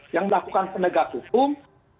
yang melakukan penegak hukum